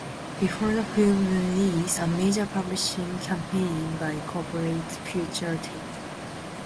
Before the film's release, a major publishing campaign by "Coppertone" featured Tate.